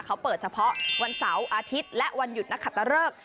เขาเปิดเฉพาะวันเสาร์อาทิตย์และวันหยุดนักขัตตะเริก